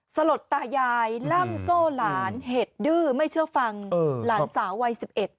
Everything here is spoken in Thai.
สลดตายายล่ำโซ่หลานเหตุดื้อไม่เชื่อฟังหลานสาววัย๑๑